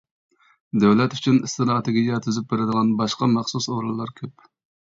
دۆلەت ئۈچۈن ئىستراتېگىيە تۈزۈپ بېرىدىغان باشقا مەخسۇس ئورۇنلار كۆپ.